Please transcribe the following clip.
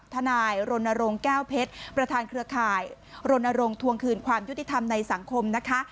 ทนายรณรงค์แก้วเพชรประธานเครือข่ายรณรงค์ทวงคืนความยุติธรรมในสังคมนะคะ